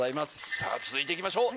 続いていきましょう！